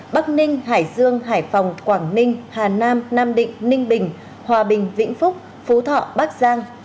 bắc ninh hải dương hải phòng quảng ninh hà nam nam định ninh bình hòa bình vĩnh phúc phú thọ bắc giang